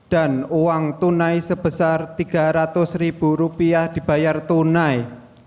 dan uang tunai sebesar tiga ratus ribu rupiah dibayar tunai